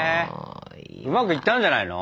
うまくいったんじゃないの？